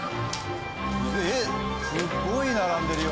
えっすごい並んでるよ。